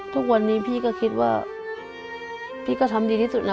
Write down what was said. ทุกวันนี้พี่ก็คิดว่าพี่ก็ทำดีที่สุดนะ